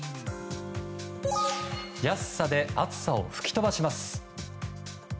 安さで暑さを吹き飛ばします。